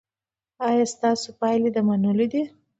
ایا ستاسو پایلې د منلو دي؟